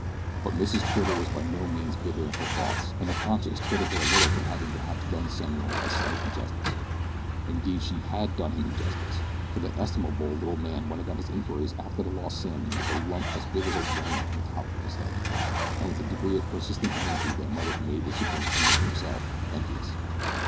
But Mrs Twitter was by no means bitter in her thoughts, and her conscience twitted her a little for having perhaps done Samuel a slight injustice. Indeed she had done him injustice, for that estimable little man went about his inquiries after the lost Sammy with a lump as big as a walnut on the top of his head, and with a degree of persistent energy that might have made the superintendent himself envious.